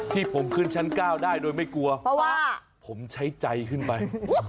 ที่ผมขึ้นชั้น๙ได้โดยไม่กลัวเพราะว่าผมใช้ใจขึ้นไป